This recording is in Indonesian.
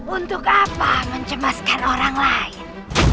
untuk apa mencemaskan orang lain